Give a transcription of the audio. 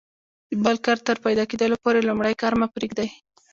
د بل کار تر پیدا کیدلو پوري لومړی کار مه پرېږئ!